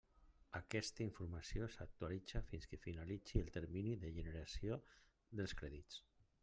Aquesta informació s'actualitza fins que finalitzi el termini de generació dels crèdits.